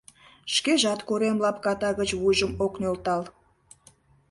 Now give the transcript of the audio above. Шкежат корем лапката гыч вуйжым ок нӧлтал.